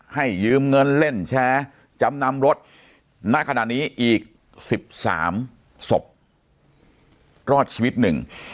ให้ยืมเงินเล่นแชร์จำนำรถณขนาดนี้อีก๑๓ศพรอดชีวิตหนึ่ง